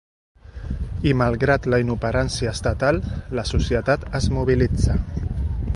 I malgrat la inoperància estatal, la societat es mobilitza.